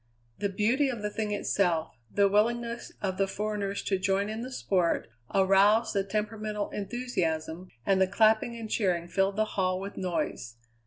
The beauty of the thing itself, the willingness of the foreigners to join in the sport, aroused the temperamental enthusiasm, and the clapping and cheering filled the hall with noise.